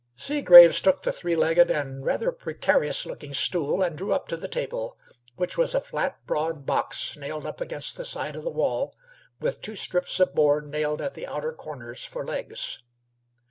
Seagraves took the three legged and rather precarious looking stool and drew up to the table, which was a flat broad box nailed up against the side of the wall, with two strips of board spiked at the outer corners for legs.